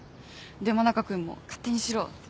で真中君も勝手にしろって。